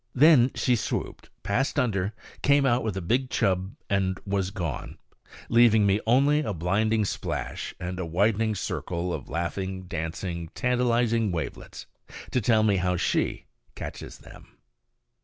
Then she swooped, passed under, came out with a big chub, and was gone, leaving me only a blinding splash and a widening circle of laughing, dancing, tantalizing wavelets to tell me how she catches them.